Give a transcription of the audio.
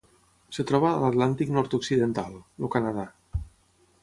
Es troba a l'Atlàntic nord-occidental: el Canadà.